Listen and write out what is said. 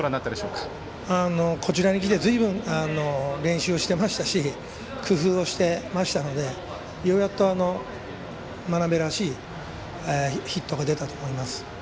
こちらにきて、ずいぶん練習をしていましたし工夫をしていましたのでようやく真鍋らしいヒットが出たと思います。